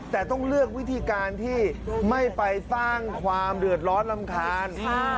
แต่ต้องเลือกวิธีการที่ไม่ไปสร้างความเดือดร้อนรำคาญ